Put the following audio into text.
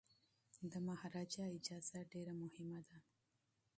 د مهاراجا اجازه ډیره مهمه ده.